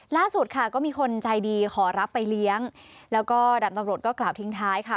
ล่าสุดค่ะก็มีคนใจดีขอรับไปเลี้ยงแล้วก็ดับตำรวจก็กล่าวทิ้งท้ายค่ะ